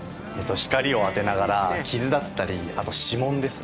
光を当てながら傷だったりあと指紋ですね